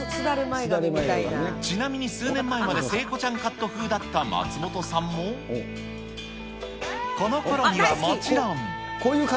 ちなみに数年前まで聖子ちゃんカット風だった松本さんも、このころにはもちろん。